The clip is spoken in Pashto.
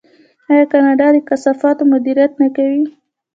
آیا کاناډا د کثافاتو مدیریت نه کوي؟